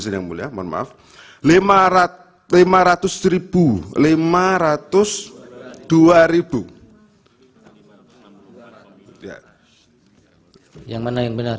yang mana yang benar